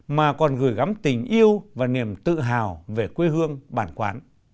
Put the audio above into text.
mà còn gửi gắm tình yêu và niềm tự hào về quê hương bản quán